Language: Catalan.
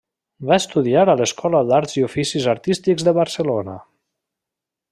Va estudiar a l'Escola d'Arts i Oficis Artístics de Barcelona.